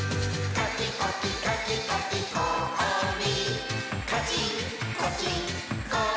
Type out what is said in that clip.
「カキコキカキコキこ・お・り」